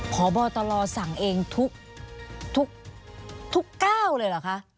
พ่อบอตรอสั่งเองทุกทุกทุกก้าวเลยเหรอคะ